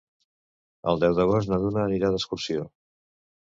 El deu d'agost na Duna anirà d'excursió.